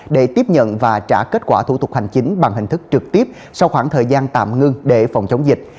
để tiếp nhận và trả kết quả thủ tục hành chính bằng hình thức trực tiếp sau khoảng thời gian tạm ngưng để phòng chống dịch